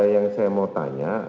yang saya mau tanya